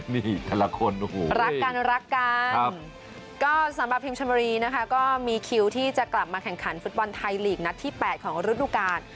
นี่แต่ละคนรักกันรักกันก็สำหรับพิมชมรีนะคะก็มีคิวที่จะกลับมาแข่งขันฟุตบอลไทยลีกนัดที่๘ของฤดูกาล